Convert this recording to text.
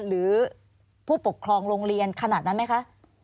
หรือผู้ปกครองโรงเรียนขนาดนั้นไหมคะ